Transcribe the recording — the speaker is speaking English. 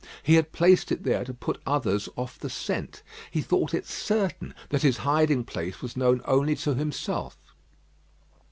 He had placed it there to put others off the scent. He thought it certain that his hiding place was known only to himself.